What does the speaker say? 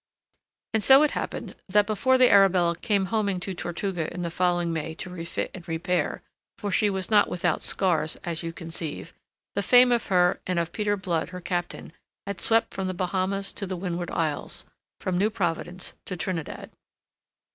And so it happened that before the Arabella came homing to Tortuga in the following May to refit and repair for she was not without scars, as you conceive the fame of her and of Peter Blood her captain had swept from the Bahamas to the Windward Isles, from New Providence to Trinidad.